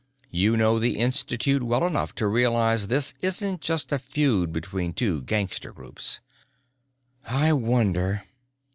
You know the Institute well enough to realize this isn't just a feud between two gangster groups." "I wonder...."